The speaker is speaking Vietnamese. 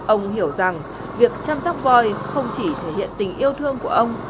ông hiểu rằng việc chăm sóc coi không chỉ thể hiện tình yêu thương của ông